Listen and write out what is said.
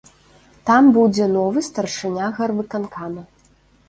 Там будзе новы старшыня гарвыканкама.